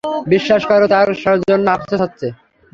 বিশ্বাস করো, তার জন্য আফসোস হচ্ছে।